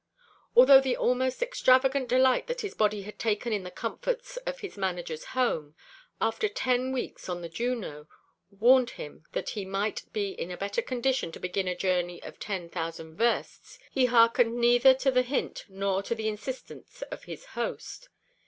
Although the almost extravagant delight that his body had taken in the comforts of his manager's home, after ten weeks on the Juno, warned him that he might be in a better condition to begin a journey of ten thousand versts, he hearkened neither to the hint nor to the insistence of his host.